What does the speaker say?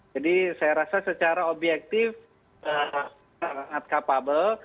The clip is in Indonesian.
jadi saya rasa secara objektif sangat capable